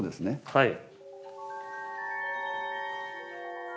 はい。